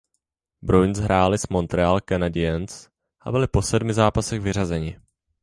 Bruins hráli s Montreal Canadiens a byli po sedmi zápasech vyřazeni.